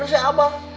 bener sih abang